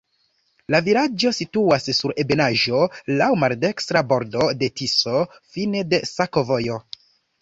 La vilaĝo situas sur ebenaĵo, laŭ maldekstra bordo de Tiso, fine de sakovojo.